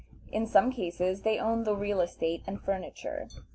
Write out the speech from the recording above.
In some cases they own the real estate and furniture.